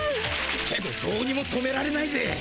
けどどうにも止められないぜ。